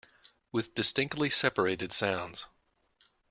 With distinctly separated sounds.